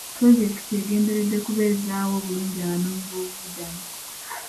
Pulojekiti egenderedde kubezaawo obulungi abanoonyi b'obubuddamu.